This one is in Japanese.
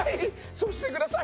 そうしてください！